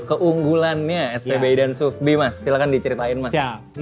keunggulannya spbi dan subbi mas silahkan diceritain mas